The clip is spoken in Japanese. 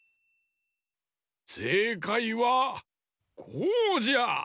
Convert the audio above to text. せいかいはこうじゃ！